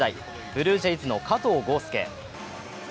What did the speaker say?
ブルージェイズの加藤豪将。